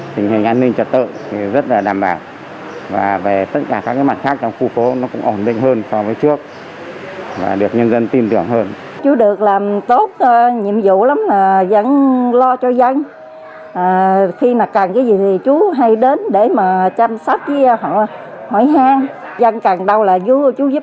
tình hình an ninh trật tự rất là đảm bảo